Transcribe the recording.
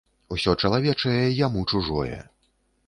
Усё чалавечае яму чужое.